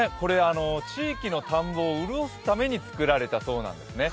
地域の田んぼをうるおすためにつくられたそうなんですね。